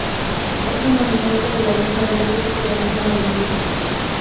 Es un monumento de la misma diócesis del mismo municipio.